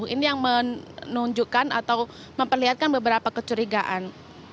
ini yang menunjukkan atau memperlihatkan beberapa kecurigaan